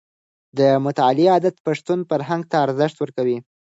د مطالعې عادت د پښتون فرهنګ ته ارزښت ورکوي.